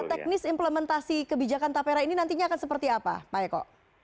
teknis implementasi kebijakan tapera ini nantinya akan seperti apa pak eko